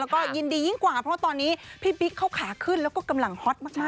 แล้วก็ยินดียิ่งกว่าเพราะว่าตอนนี้พี่บิ๊กเขาขาขึ้นแล้วก็กำลังฮอตมาก